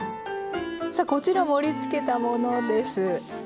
さあこちら盛りつけたものです。